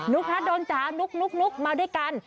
นุ๊กฮะโดนจ๊ะนุ๊กมาด้วยกัน